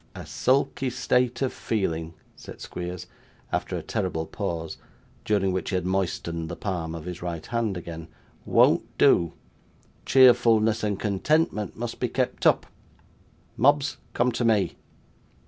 'A sulky state of feeling,' said Squeers, after a terrible pause, during which he had moistened the palm of his right hand again, 'won't do. Cheerfulness and contentment must be kept up. Mobbs, come to me!